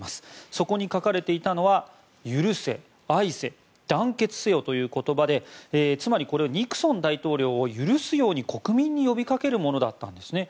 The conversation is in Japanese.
そこに書かれていたのは「許せ、愛せ、団結せよ」という言葉で、つまりニクソン大統領を許すように国民に呼びかけるものだったんですね。